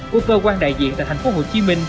của cơ quan đại diện tại thành phố hồ chí minh